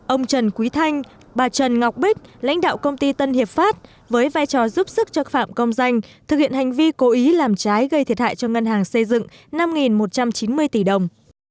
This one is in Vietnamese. ông trần quý thanh bà trần ngọc bích lãnh đạo công ty tân hiệp pháp với vai trò giúp sức cho phạm công danh thực hiện hành vi cố ý làm trái gây thiệt hại cho ngân hàng xây dựng năm một trăm chín mươi tỷ đồng